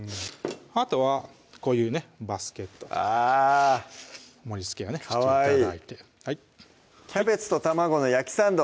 あとはこういうねバスケットあぁ盛りつけをねして頂いてかわいい「キャベツと卵の焼きサンド」